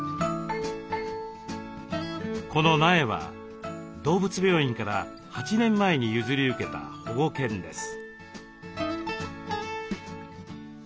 この苗は動物病院から８年前に譲り受けた保護犬です。